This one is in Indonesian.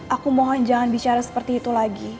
aku mohon jangan bicara seperti itu lagi